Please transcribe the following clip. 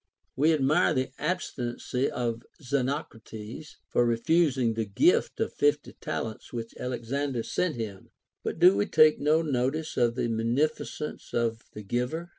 AVe admire the abstinency of Xenocrates for refusing the gift of fifty talents which Alexander sent him ; but do we take no notice of the munificence of the giver